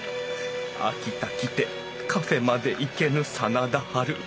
「秋田来てカフェまで行けぬ真田ハル」。